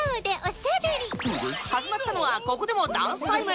始まったのはここでもダンスタイム。